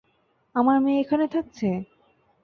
আমার মেয়ে এখানে থাকছে?